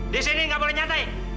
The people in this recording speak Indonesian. di sini gak boleh nyantai